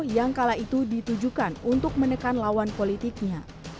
yang kala itu ditujukan untuk menekan lawan politiknya